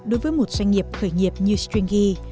đối với một doanh nghiệp khởi nghiệp như stringy